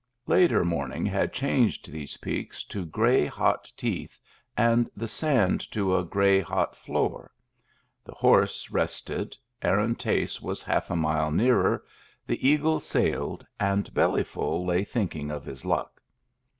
Later morn ing had changed these peaks to gray, hot teeth, and the sand to a gray, hot floor. The horse rested, Aaron Tace was half a mile nearer, the eagle sailed, and Bellyful lay thinking of his luck.